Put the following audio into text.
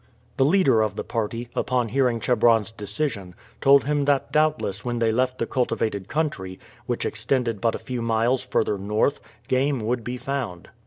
The leader of the party, upon hearing Chebron's decision, told him that doubtless when they left the cultivated country, which extended but a few miles further north, game would be found.